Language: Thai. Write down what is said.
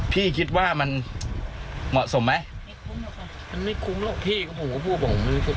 พี่คิดว่ามันเหมาะสมไหมมันไม่คุ้มหรอกพี่ผมก็พูดบอกผมมันไม่คุ้ม